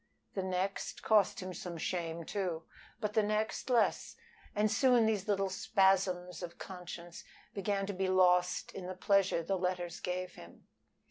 The next cost him some shame, too, but the next less, and soon these little spasms of conscience began to be lost in the pleasure the letters gave him.